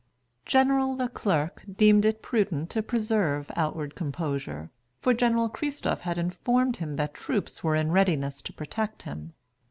General Le Clerc deemed it prudent to preserve outward composure, for General Christophe had informed him that troops were in readiness to protect him.